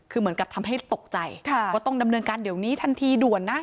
คือเหมือนกับทำให้ตกใจว่าต้องดำเนินการเดี๋ยวนี้ทันทีด่วนนะ